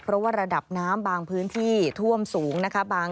เพราะว่าระดับน้ำบางพื้นที่ท่วมสูงนะคะ